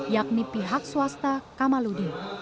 yakni pihak swasta kamaludi